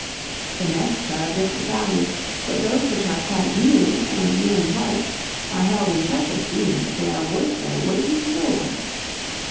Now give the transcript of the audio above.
The nests are of different value, but those which are quite new, and nearly white, are held in such esteem that they are worth their weight in silver.